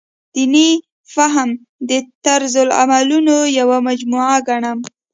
دیني فهم د طرزالعملونو یوه مجموعه ګڼم.